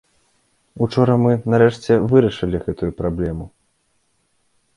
Учора мы, нарэшце, вырашылі гэтую праблему.